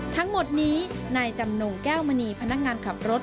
ทั้งหมดนี้นายจำนงแก้วมณีพนักงานขับรถ